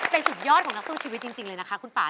เป็นสุดยอดของนักสู้ชีวิตจริงเลยนะคะคุณป่า